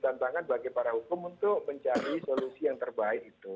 tantangan bagi para hukum untuk mencari solusi yang terbaik itu